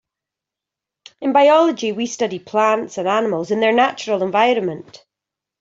In biology we study plants and animals in their natural environment.